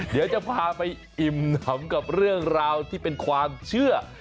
เดี๋ยวจะพาไปอิ่มหำกับเรื่องราวที่เป็นความเชื่อ